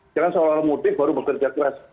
jangan selalu mudik baru bekerja keras